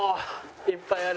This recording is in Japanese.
いっぱいある。